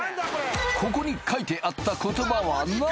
ここに書いてあった言葉は何？